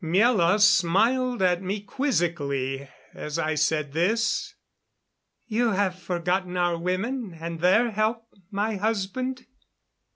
Miela smiled at me quizzically as I said this: "You have forgotten our women and their help, my husband?"